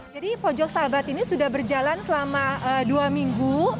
jadi pojok sahabat ini sudah berjalan selama dua minggu